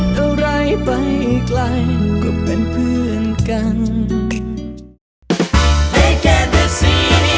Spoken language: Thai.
เช่นเมื่อกี้